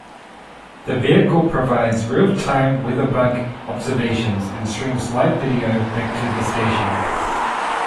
The vehicle provides real-time WeatherBug observations and streams live video back to the station.